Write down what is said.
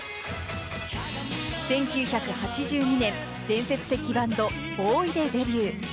１９８２年、伝説的バンド・ＢＯＯＷＹでデビュー。